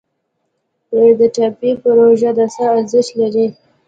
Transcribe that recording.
د ټاپي پروژه څه ارزښت لري؟